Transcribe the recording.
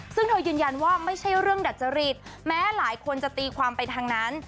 ซึ่งเธอยืนยันว่าไม่ใช่เรื่องดัจจริตแม้หลายคนจะตีความไปทางนั้น